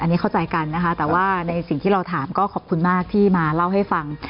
อันนี้เข้าใจกันนะคะแต่ว่าในสิ่งที่เราถามก็ขอบคุณมากที่มาเล่าให้ฟัง